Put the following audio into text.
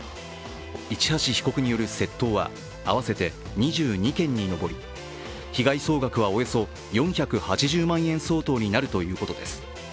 市橋被告による窃盗は合わせて２２件に上り被害総額はおよそ４８０万円相当になるということです。